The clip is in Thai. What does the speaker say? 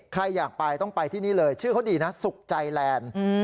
ใครอยากไปต้องไปที่นี่เลยชื่อเขาดีนะสุขใจแลนด์